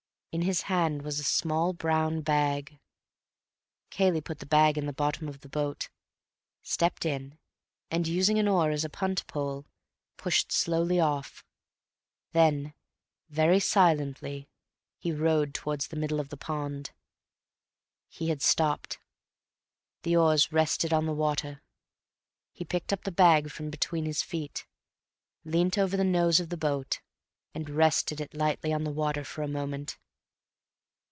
In his hand was a small brown bag. Cayley put the bag in the bottom of the boat, stepped in, and using an oar as a punt pole, pushed slowly off. Then, very silently, he rowed towards the middle of the pond. He had stopped. The oars rested on the water. He picked up the bag from between his feet, leant over the nose of the boat, and rested it lightly on the water for a moment.